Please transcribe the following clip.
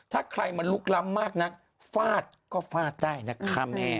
ถ้าใครมันลุกล้ำมากนักฟาดก็ฟาดได้นะคะแม่